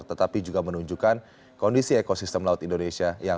tetapi juga menunjukkan kondisi ekosistem laut indonesia